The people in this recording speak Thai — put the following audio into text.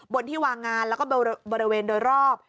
ที่วางงานแล้วก็บริเวณโดยรอบ